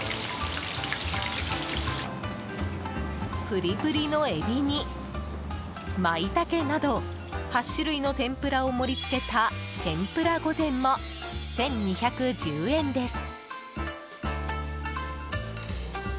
プリプリのエビにマイタケなど８種類の天ぷらを盛り付けた天ぷら御膳も、１２１０円です。